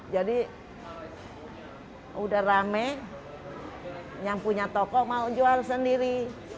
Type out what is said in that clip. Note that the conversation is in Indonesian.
jadi sudah ramai yang punya toko mau jual sendiri